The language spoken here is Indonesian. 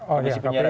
oh ya kpi berbeda